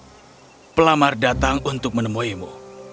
dan juga pelamar datang untuk menemuimu